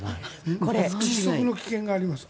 窒息の危険があります？